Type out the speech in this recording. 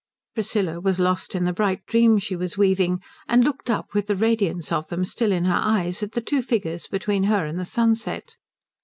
Priscilla was lost in the bright dreams she was weaving, and looked up with the radiance of them still in her eyes at the two figures between her and the sunset.